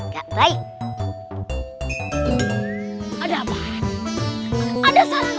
gak baik ada apaan ada salahnya